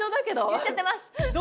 言っちゃってます。